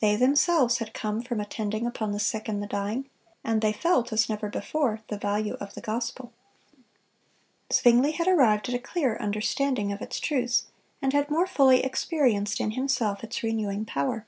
They themselves had come from attending upon the sick and the dying, and they felt, as never before, the value of the gospel. Zwingle had arrived at a clearer understanding of its truths, and had more fully experienced in himself its renewing power.